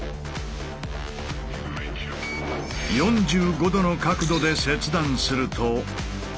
４５°の角度で切断すると。